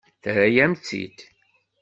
Terra-yam-tt-id.